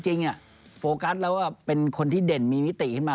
ฉายาคนกีฬาปี๕๘